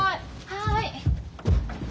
はい。